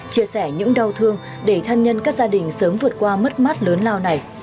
chia sẻ những đau thương để thân nhân các gia đình sớm vượt qua mất mát lớn lao này